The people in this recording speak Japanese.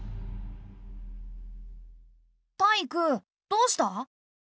タイイクどうした？